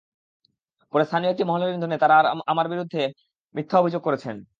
পরে স্থানীয় একটি মহলের ইন্ধনে তাঁরা আমার বিরুদ্ধে মিথ্যা অভিযোগ করছেন।